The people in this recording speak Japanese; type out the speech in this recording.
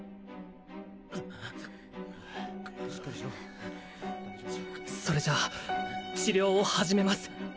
しっかりしろそれじゃあ治療を始めます